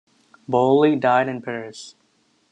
Bouilly died in Paris.